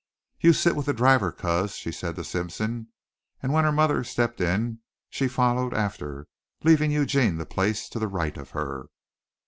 "You sit with the driver, coz," she said to Simpson, and when her mother stepped in she followed after, leaving Eugene the place to the right of her.